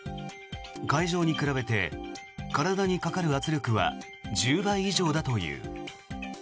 海上に比べて体にかかる圧力は１０倍以上だという。